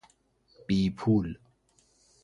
بیپول